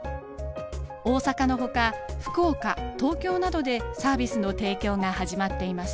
大阪のほか福岡東京などでサービスの提供が始まっています。